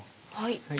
はい。